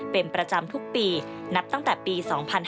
เป็นประจำทุกปีนับตั้งแต่ปี๒๕๕๙